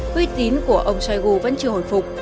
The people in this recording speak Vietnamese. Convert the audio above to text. quy tín của ông shoigu vẫn chưa hồi phục